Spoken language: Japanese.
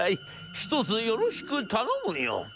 ひとつよろしく頼むよ』。